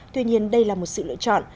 tuy nhiên đây là một sự lựa chọn